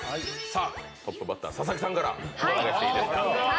トップバッター、佐々木さんからお願いしていいですか？